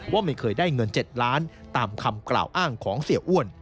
ว่าไม่เคยได้เงิน๗ล้านตามคำกล่าวอ้างของเสียอ้วน